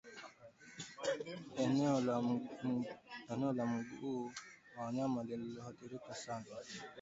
Eneo la mguu wa nyuma lililoathirika sana